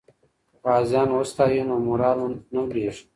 که غازیان وستایو نو مورال نه لویږي.